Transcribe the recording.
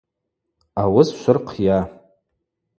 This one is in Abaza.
Ауыс швырхъйа.